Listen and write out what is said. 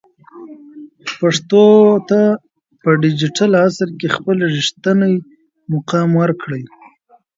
پښتو ته په ډیجیټل عصر کې خپل رښتینی مقام ورکړئ.